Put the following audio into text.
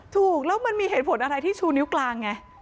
ถูกแล้วมันมีเหตุผลอะไรที่ชูนิ้วกลางไง